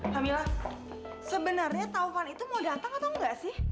hamila sebenarnya taufan itu mau datang atau enggak sih